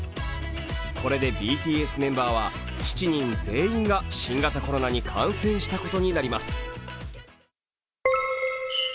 これでＢＴＳメンバーは７人全員が新型コロナに感染したことになります。